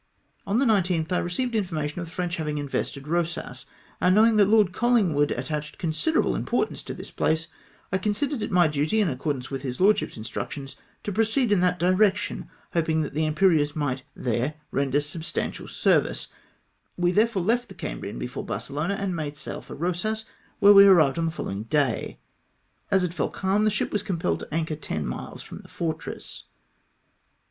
On the 19 th I received mformation of the French having hivested Eosas, and knowing that Lord Col hngwood attached considerable importance to this place, I considered it my duty, m accordance with his lordship's instructions, to proceed in that dhection, hoping that the Iniperieuse might there render sub stantial service ; we therefore left the Cambrian before Barcelona, and made sail for Eosas, where we arrived on the following day. As it fell calm, the ship was compelled to anchor ten miles from the fortress.